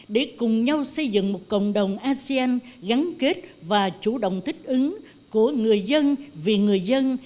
để cùng nhau xây dựng một cộng đồng asean gắn kết và chủ động thích ứng của người dân vì người dân